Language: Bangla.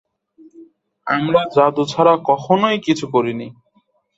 আমরা জাদু ছাড়া কখনই কিছু করিনি।